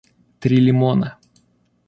три лимона